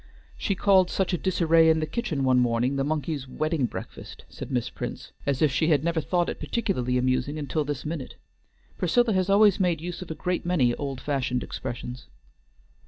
"She called such a disarray in the kitchen one morning the monkey's wedding breakfast," said Miss Prince, as if she never had thought it particularly amusing until this minute. "Priscilla has always made use of a great many old fashioned expressions."